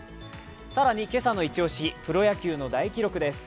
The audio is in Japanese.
更に今朝のイチ押し、プロ野球の大記録です。